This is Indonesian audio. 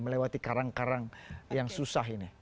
melewati karang karang yang susah ini